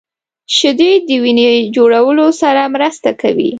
شیدې د وینې جوړولو سره مرسته کوي